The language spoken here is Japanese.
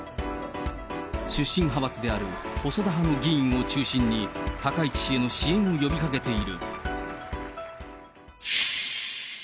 出身派閥である細田派の議員を中心に、高市氏への支援を呼びかけている。